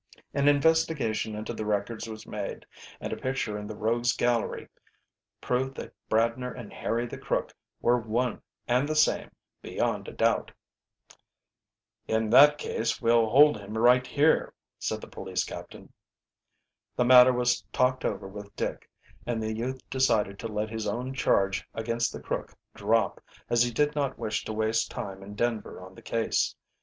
An investigation into the records was made, and a picture in the Rogues' Gallery proved that Bradner and Harry the Crook were one and the same beyond a doubt. "In that case we'll hold him right here," said the police captain. The matter was talked over with Dick, and the youth decided to let his own charge against the crook drop, as he did not wish to waste time in Denver on the case.